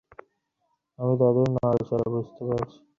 আমি তাদের নড়াচড়া বুঝতে পারছি।